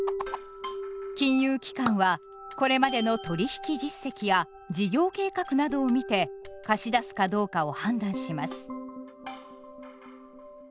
金融機関はこれまでの取引実績や事業計画などを見て貸し出すかどうかを判断します。